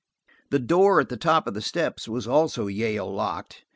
The door at the top of the steps was also Yale locked.